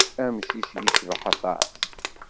Amcic yecbaḥ aṭas.